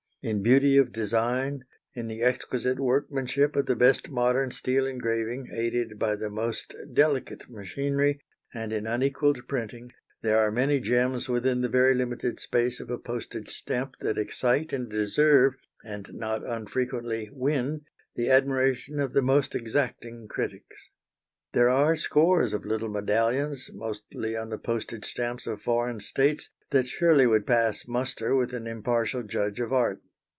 In beauty of design, in the exquisite workmanship of the best modern steel engraving, aided by the most delicate machinery, and in unequalled printing, there are many gems within the very limited space of a postage stamp that excite and deserve, and not unfrequently win, the admiration of the most exacting critics. There are scores of little medallions, mostly on the postage stamps of foreign states, that surely would pass muster with an impartial judge of art.